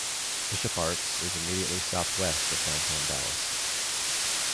Bishop Arts is immediately southwest of Downtown Dallas.